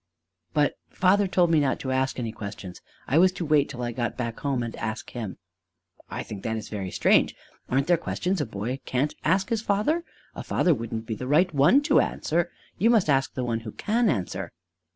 "But father told me not to ask any questions: I was to wait till I got back home and ask him." "I think that is very strange! Aren't there questions a boy can't ask his father? A father wouldn't be the right one to answer. You must ask the one who can answer!"